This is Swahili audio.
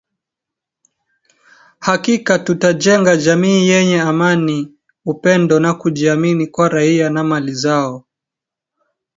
hakika tutajenga jamii yenye amani upendo na kujiamini kwa raia na mali zao